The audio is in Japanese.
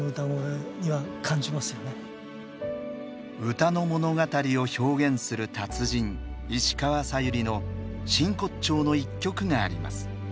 歌の物語を表現する達人石川さゆりの真骨頂の１曲があります。